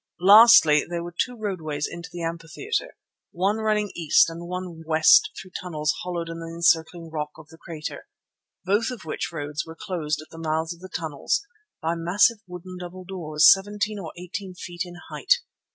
Lastly, there were two roadways into the amphitheatre, one running east and one west through tunnels hollowed in the encircling rock of the crater, both of which roads were closed at the mouths of the tunnels by massive wooden double doors, seventeen or eighteen feet in height.